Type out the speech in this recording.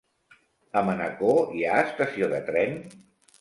A Manacor hi ha estació de tren?